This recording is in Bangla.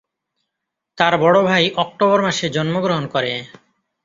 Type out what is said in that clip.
তার বড় ভাই অক্টোবর মাসে জন্মগ্রহণ করে।